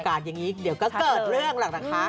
ประกาศอย่างนี้เดี๋ยวก็เกิดเรื่องหลังนะคะ